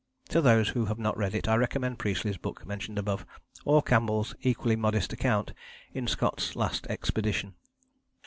To those who have not read it I recommend Priestley's book mentioned above, or Campbell's equally modest account in Scott's Last Expedition.